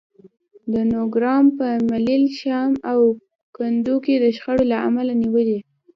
د نورګرام په ملیل، شام او کندو کې د شخړې له امله نیولي